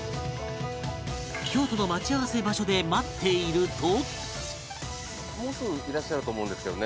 京都の待ち合わせ場所で待っていると